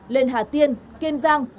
lên hà tiên kiên giang